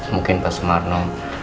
mungkin pak sumarno